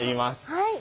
はい。